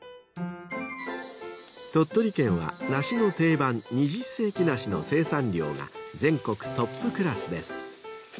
［鳥取県は梨の定番二十世紀梨の生産量が全国トップクラスです］